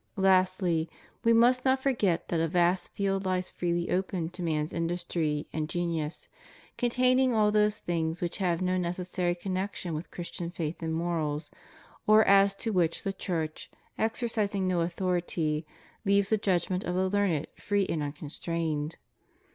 Lastly, We must not forget that a vast field lies freely open to man's industry and genius, containing all those things which have no neces sarj connection with Christian faith and morals, or as to which the Church, exercising no authority, leaves the judgment of the learned free and unconstrained.